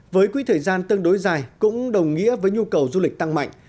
với quỹ thời gian tương đối dài cũng đồng nghĩa với nhu cầu du lịch tăng mạnh